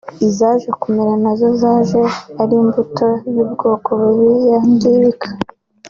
Izaje kumera nazo zaje ari imbuto y’ubwoko bubi yangirika